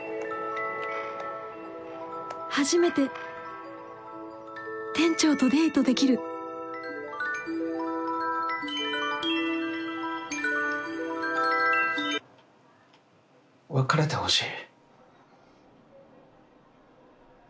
初めて店長とデートできる別れてほしい。